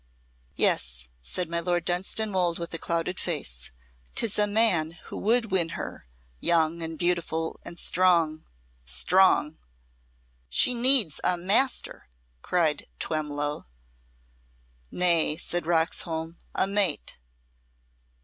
"Yes," said my Lord Dunstanwolde with a clouded face. "'Tis a Man who would win her young and beautiful and strong strong!" "She needs a master!" cried Twemlow. "Nay," said Roxholm "a mate."